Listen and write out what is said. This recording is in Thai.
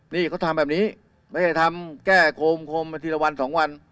นี่เขาทำแบบนี้ไม่ใช่ทำแก้โคมมาทีละวันสองวัน